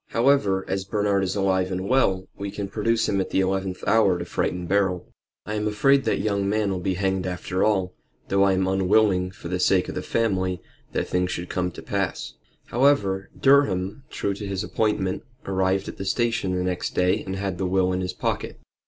However, as Bernard is alive and well we can produce him at the eleventh hour to frighten Beryl. I am afraid that young man will be hanged after all, though I am unwilling, for the sake of the family, that things should come to that pass." However, Durham, true to his appointment, arrived at the station the next day and had the will in his pocket.